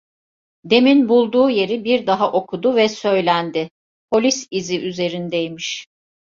Demin bulduğu yeri bir daha okudu ve söylendi: "Polis izi üzerinde imiş…"